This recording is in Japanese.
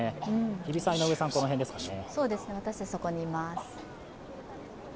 日比さん、井上さん、この辺ですかね。